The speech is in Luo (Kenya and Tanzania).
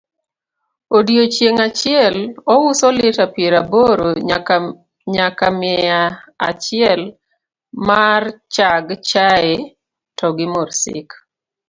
odiochieng' achiel ouso lita piero aboro nyaka mia achiel marchag chae togi mursik